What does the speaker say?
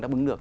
đáp ứng được